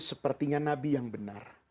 sepertinya nabi yang benar